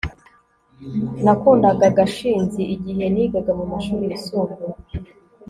nakundaga gashinzi igihe nigaga mumashuri yisumbuye